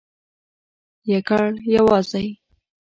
یکړ...یوازی ..